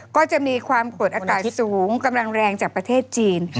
ก็จะมีความกดอากาศสูงกำลังแรงจากประเทศจีน